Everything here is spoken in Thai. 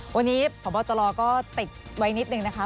วันนี้ผ่อนโพตะทอรก็ติดไว้นิดนึงนะคะ